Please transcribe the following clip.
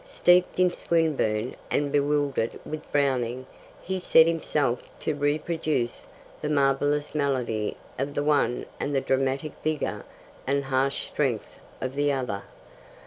Steeped in Swinburne and bewildered with Browning, he set himself to reproduce the marvellous melody of the one and the dramatic vigour and harsh strength of the other.